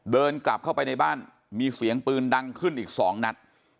เดินกลับเข้าไปในบ้านมีเสียงปืนดังขึ้นอีก๒นัด